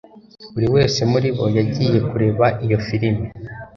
Buri wese muri bo yagiye kureba iyo firime